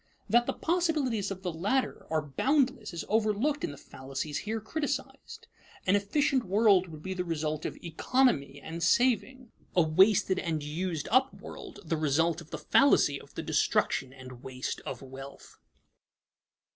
That the possibilities of the latter are boundless is overlooked in the fallacies here criticized. An efficient world would be the result of "economy" and saving; a wasted and used up world, the result of the fallacy of the destruction and waste of wealth.